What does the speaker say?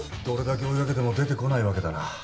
どれだけ追い掛けても出てこないわけだな。